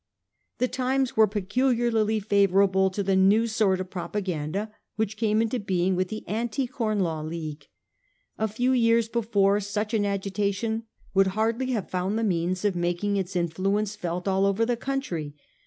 The times were peculiarly favourable to the new sort of propaganda which came into being with the Anti Com Law League. A few years before such an agitation would hardly have found the means of making its influence felt all over the country.